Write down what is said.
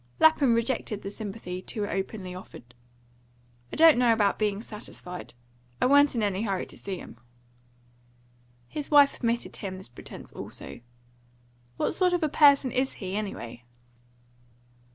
Lapham rejected the sympathy too openly offered. "I don't know about being satisfied. I wa'n't in any hurry to see him." His wife permitted him this pretence also. "What sort of a person is he, anyway?"